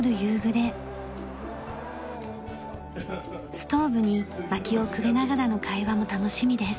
ストーブに薪をくべながらの会話も楽しみです。